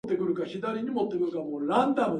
柿食えば鐘が鳴るなり法隆寺